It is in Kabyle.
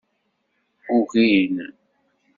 Ugin.